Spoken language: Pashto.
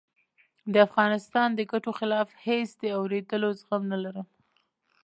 د افغانستان د ګټو خلاف هېڅ د آورېدلو زغم نه لرم